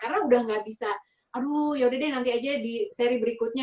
karena udah gak bisa aduh yaudah deh nanti aja di seri berikutnya